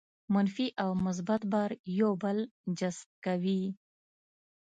منفي او مثبت بار یو بل جذب کوي.